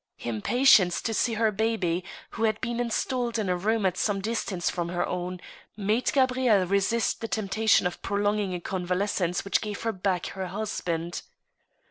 Impatience to see her baby, who had been installed in a room at some distance from her own, made Gabrielle resist the temptation of prolonging a convalescence which gave her back her husband.